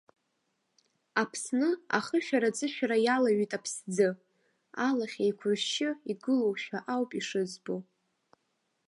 Аԥсны ахышәара-аҵышәара иалаҩит аԥсӡы, алахь еиқәыршьшьы игылоушәа ауп ишызбо.